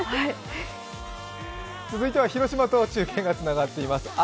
続いては広島と中継がつながっています。